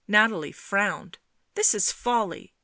Nathalie frowned. " This is folly.